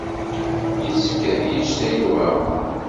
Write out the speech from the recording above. Yessefk ad yečč Saɛid Waɛmaṛ.